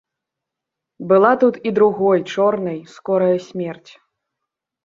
Была тут і другой, чорнай, скорая смерць.